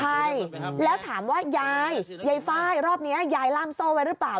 ใช่แล้วถามว่ายายยายไฟล์รอบนี้ยายล่ามโซ่ไว้หรือเปล่า